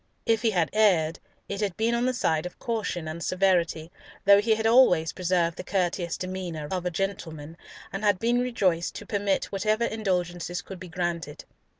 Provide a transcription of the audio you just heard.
If he had erred, it had been on the side of caution and severity, though he had always preserved the courteous demeanour of a gentleman, and had been rejoiced to permit whatever indulgences could be granted.